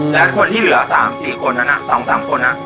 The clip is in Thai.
และคนที่เหลือ๓๔คนนั้น๒๓คนนะ